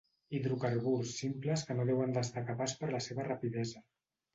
Hidrocarburs simples que no deuen destacar pas per la rapidesa.